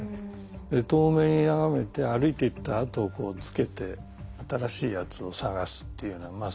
遠目に眺めて歩いていったあとをつけて新しいやつを探すっていうようなまあ